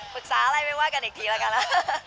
ปรึกษาอะไรไม่ว่ากันอีกทีละครับ